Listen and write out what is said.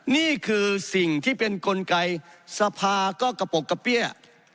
นี่คือสิ่งที่เป็นกลไกสภาก็กระปกกระเปี้ย